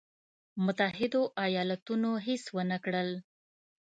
متحدو ایالتونو هېڅ ونه کړل.